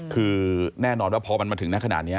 คือแน่นอนว่าเพราะมันมาถึงณะขนาดเนี่ย